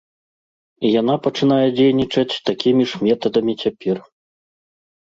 І яна пачынае дзейнічаць такімі ж метадамі цяпер.